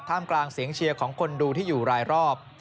กลางเสียงเชียร์ของคนดูที่อยู่รายรอบ